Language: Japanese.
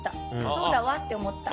そうだわ！と思った。